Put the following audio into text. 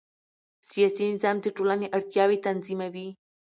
سیاسي نظام د ټولنې اړتیاوې تنظیموي